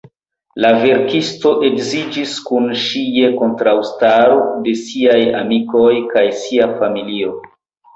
La verkisto edziĝis kun ŝi je kontraŭstaro de siaj amikoj kaj sia familio.